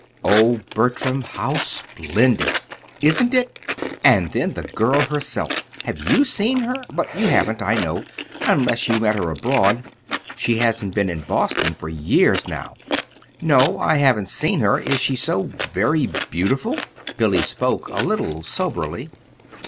"Oh, Bertram, how splendid!" "Isn't it? And then the girl herself! Have you seen her? But you haven't, I know, unless you met her abroad. She hasn't been in Boston for years until now." "No, I haven't seen her. Is she so very beautiful?" Billy spoke a little soberly.